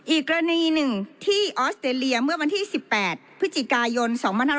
อีกกรณีหนึ่งที่ออสเตรเลียเมื่อวันที่๑๘พฤศจิกายน๒๕๖๐